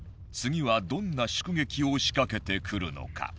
次はどんな祝撃を仕掛けてくるのか？